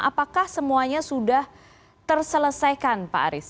apakah semuanya sudah terselesaikan pak aris